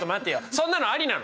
そんなのありなの？